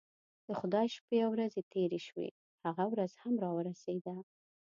د خدای شپې او ورځې تیرې شوې هغه ورځ هم راورسېده.